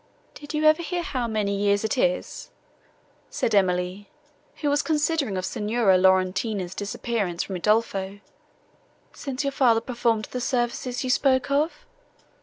"Did you ever hear how many years it is," said Emily, who was considering of Signora Laurentini's disappearance from Udolpho, "since your father performed the services you spoke of?"